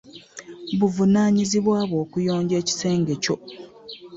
Buvunanyizibwa bwo okuyonja ekisenge Kyo.